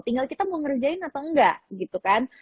tinggal kita mau ngerjain atau enggak gitu kan